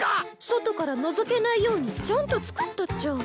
外からのぞけないようにちゃんと造ったっちゃ。